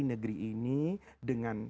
negeri ini dengan